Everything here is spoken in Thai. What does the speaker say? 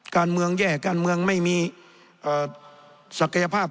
การเมืองแย่การเมืองไม่มีศักยภาพ